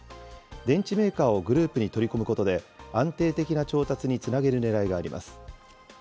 電池メーカーをグループに取り込むことで、安定的な調達につなげるねらいがあります。